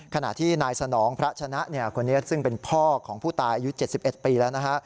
ขณะที่นายสนองพระชนะคนนี้ซึ่งเป็นพ่อของผู้ตายอายุ๗๑ปีแล้วนะฮะ